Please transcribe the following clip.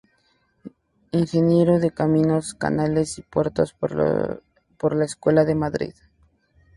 Ingeniero de caminos, canales y puertos por la Escuela de Madrid.